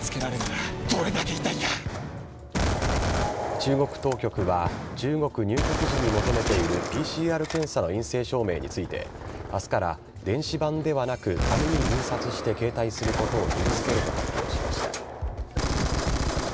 中国当局は、中国入国時に求めているＰＣＲ検査の陰性証明について、あすから電子版ではなく、紙に印刷して携帯することを義務づけると発表しました。